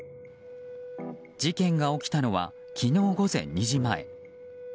事件が起きたのは昨日午前２時前。